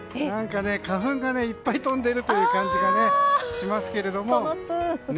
何か花粉がいっぱい飛んでるという感じがしますけど。